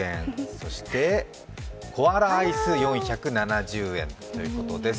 そしてコアラアイス４７０円ということです。